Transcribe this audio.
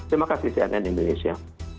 terima kasih cnn indonesia